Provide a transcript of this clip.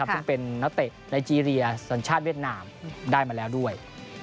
ซึ่งเป็นนักเตะไนเจรียสัญชาติเวียดนามได้มาแล้วด้วย